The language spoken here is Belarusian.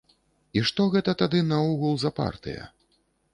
І што гэта тады наогул за партыя?